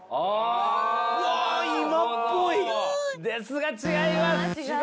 ですが違います。